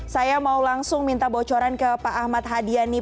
saya mau langsung minta bocoran ke pak ahmad hadiani